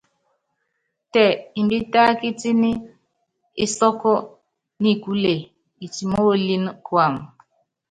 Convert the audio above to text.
Tɛ imbítákítíní isɔ́kú nikúle itimoolíni kuam.